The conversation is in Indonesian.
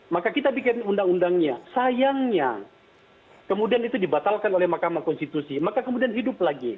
maka kita bikin undang undangnya sayangnya kemudian itu dibatalkan oleh mahkamah konstitusi maka kemudian hidup lagi